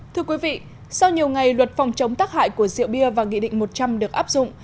thưa quý vị sau nhiều ngày luật phòng chống tác hại của rượu bia và nghị định một trăm linh được áp dụng